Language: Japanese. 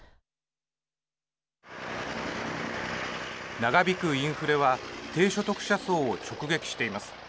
長引くインフレは低所得者層を直撃しています。